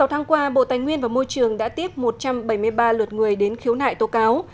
sáu tháng qua bộ tài nguyên và môi trường đã tiếp một trăm bảy mươi ba lượt người đến khiếu nại tố cáo